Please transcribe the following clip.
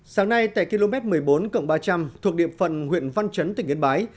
sáng nay tại km một mươi bốn ba trăm linh thuộc điểm phần huyện văn chấn tỉnh yên bái